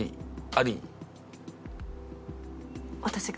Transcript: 私が？